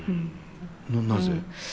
なぜ？